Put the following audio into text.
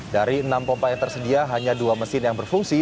dari enam pompa yang tersedia hanya dua mesin yang berfungsi